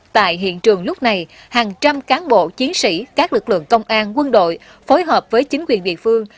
tại hiện trường lúc này hàng trăm cán bộ chiến sĩ các lực lượng công an quân đội phối hợp với chính quyền địa phương